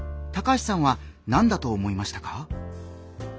高橋さんは何だと思いましたか？